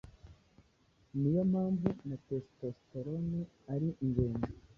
ni yo mpamvu na testosterone ari ingenzi